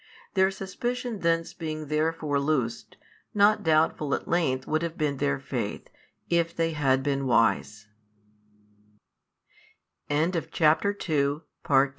Their suspicion thence being therefore loosed, not doubtful at length would have been their faith, if they had been wise 1